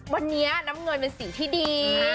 วันนี้น้ำเงินเป็นสีที่ดี